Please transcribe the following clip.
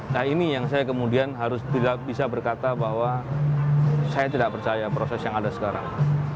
nah ini yang saya kemudian harus tidak bisa berkata bahwa saya tidak percaya proses yang ada sekarang